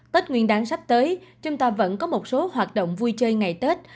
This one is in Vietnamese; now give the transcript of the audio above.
tết nguyên đáng sắp tới chúng ta vẫn có một số hoạt động vui chơi ngày tết